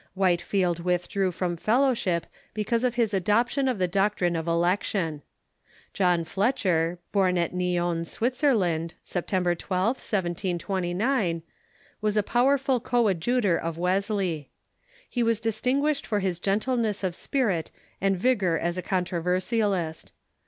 Whitefield withdrew from fellowship ment of because of his adoption of the doctrine of election. Methodism j^j^^^ Fletcher, born at Nyon, Switzerland, Septem ber 12th, 1729, was a powerful coadjutor of Wesley. He was distinguished for his gentleness of spirit and vigor as a controversialist.